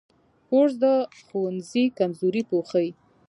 کورس د ښوونځي کمزوري پوښي.